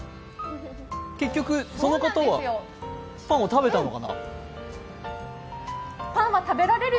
結局、その方はパンを食べたのかな。